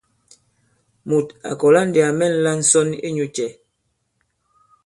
Mùt à kɔ̀la ndī à mɛ̂nla ǹsɔn inyū cɛ ?